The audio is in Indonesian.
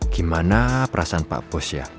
gimana perasaan pak bos ya